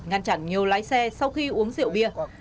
ngăn chặn nhiều lái xe sau khi uống rượu bia